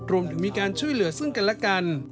รวมถึงมีการช่วยเหลือซึ่งกันและกัน